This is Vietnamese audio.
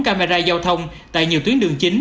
camera giao thông tại nhiều tuyến đường chính